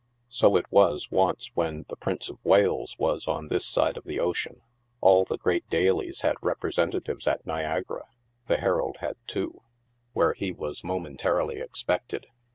So it was once when the Prince of Wales was on this side of the ocean, all the great dailies had re presentatives at Niagara, (the Herald had two) where he was mo THE NEWSPAPERS. 103 mentarily expected.